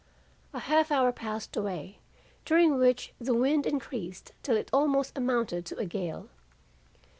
"A half hour passed away, during which the wind increased till it almost amounted to a gale.